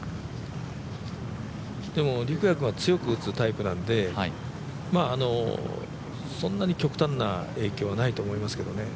でも陸也君は強く打つタイプなんでそんなに極端な影響はないと思いますけどね。